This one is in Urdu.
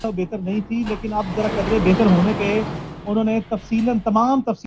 اسی پہ اکتفا نہ کیا۔